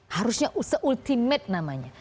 harusnya seultimate namanya